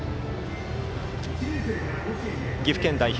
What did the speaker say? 岐阜県代表